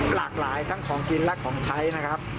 หลากหลายทั้งของกินและของใช้นะครับ